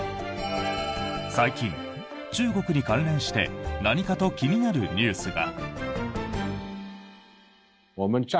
最近、中国に関連して何かと気になるニュースが。